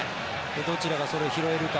どちらがそれを拾えるか。